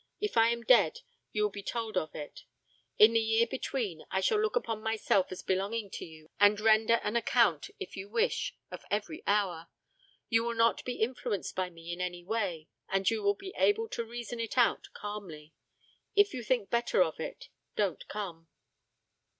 If I am dead, you will be told of it. In the year between I shall look upon myself as belonging to you, and render an account if you wish of every hour. You will not be influenced by me in any way, and you will be able to reason it out calmly. If you think better of it, don't come.'